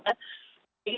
jadi kita belum berpikir